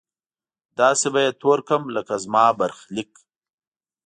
داسې به يې تور کړم لکه زما برخليک!